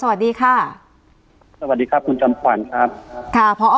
สวัสดีค่ะคุณชมขวัญครับครับ